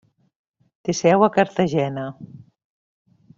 Té seu a Cartagena.